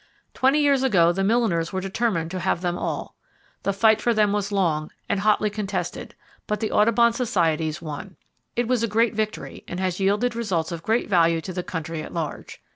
Twenty years ago the milliners were determined to have them all. The fight for them was long, and hotly contested, but the Audubon Societies won. It was a great victory, and has yielded results of great value to the country at large.